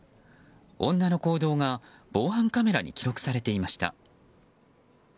女の行動が防犯カメラに記録されていました。